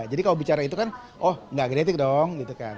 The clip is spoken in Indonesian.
jadi kalau bicara itu kan oh nggak genetik dong gitu kan